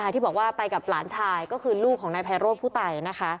ที่บอกว่าไปกับหลานชายก็คือลูกของนายไพโรธผู้ตาย